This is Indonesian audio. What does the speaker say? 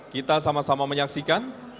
kita sama sama menyaksikan